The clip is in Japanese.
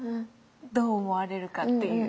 どう思われるかっていう。